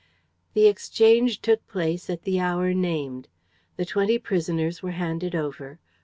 The exchange took place at the hour named. The twenty prisoners were handed over.